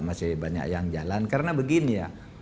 masih banyak yang jalan karena begini ya